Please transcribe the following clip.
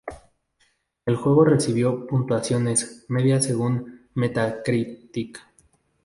El juego recibió "puntuaciones" medias según Metacritic.